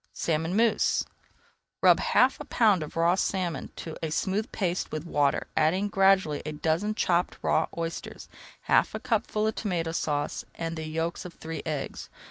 SALMON MOUSSE Rub half a pound of raw salmon to a smooth paste with water, adding gradually a dozen chopped raw oysters, half a cupful of Tomato Sauce and the yolks of three eggs.